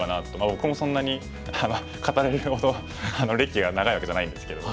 僕もそんなに語れるほど歴が長いわけじゃないんですけど。